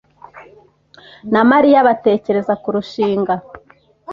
na Mariya batekereza kurushinga.